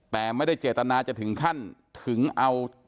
แต่ไม่ได้เจตนาจะถึงขั้นถึงเอา